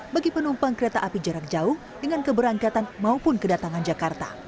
bagi penumpang kereta api jarak jauh dengan keberangkatan maupun kedatangan jakarta